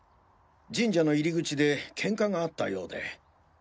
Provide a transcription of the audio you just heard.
神社の入り口でケンカがあったようで。